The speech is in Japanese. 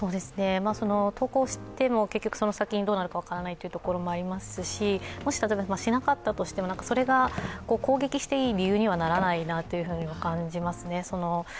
投降しても、結局その先どうなるか分からないというところもありますしもし例えばしなかったとしてもそれが攻撃していい理由にはならないなと感じますね。